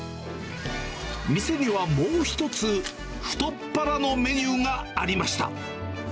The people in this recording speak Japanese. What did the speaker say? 店にはもう一つ、太っ腹のメニューがありました。